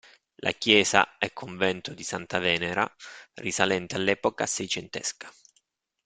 La "Chiesa e Convento di Santa Venera", risalente all'epoca seicentesca.